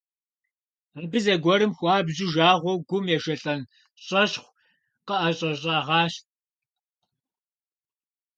Абы зэгуэрым хуабжьу жагъуэу гум ежэлӀэн щӀэщӀхъу къыӀэщӀэщӀэгъащ.